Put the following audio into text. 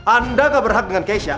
anda gak berhak dengan keisha